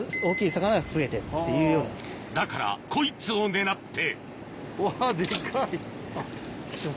だからこいつを狙って。